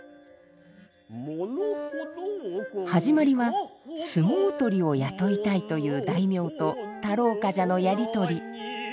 始まりは相撲取りを雇いたいという大名と太郎冠者のやり取り。